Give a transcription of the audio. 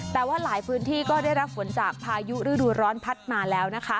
แต่ว่าหลายพื้นที่ก็ได้รับฝนจากพายุฤดูร้อนพัดมาแล้วนะคะ